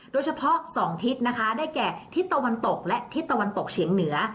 โดยเฉพาะ๒ทิศนะคะได้แก่ทิศตะวันตกและทิศตะวันตกเฉียงเหนือ